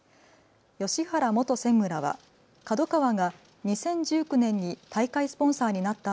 芳原元専務らはＫＡＤＯＫＡＷＡが２０１９年に大会スポンサーになった